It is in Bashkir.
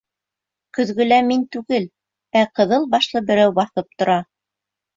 Көҙгөлә мин түгел, ә ҡыҙыл башлы берәү баҫып тора.